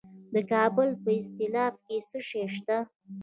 د کابل په استالف کې څه شی شته؟